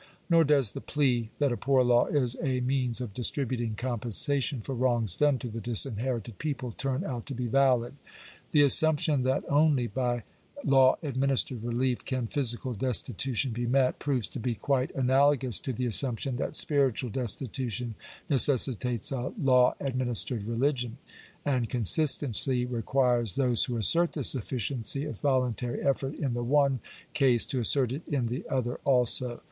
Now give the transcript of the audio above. Nor does the plea that a poor law is a means" of distributing compensation for wrongs done to the disinherited people turn out to be valid. The assumption that only by law administered relief can physical destitution be met, proves to be quite analogous to the assumption that spiritual destitution ne cessitates a law administered religion ; and consistency requires those who assert the sufficiency of voluntary effort in the one case to assert it in the other also.